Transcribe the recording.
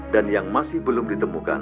dan yang masih belum ditemukan